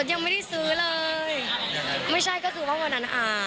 ยังไม่ได้ซื้อเลยไม่ใช่ก็คือว่าวันนั้นอ่า